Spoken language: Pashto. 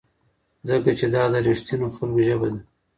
ځکه چې دا د رښتینو خلکو ژبه ده.